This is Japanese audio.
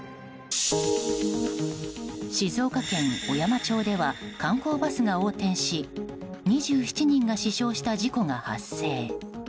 静岡県小山町では観光バスが横転し２７人が死傷した事故が発生。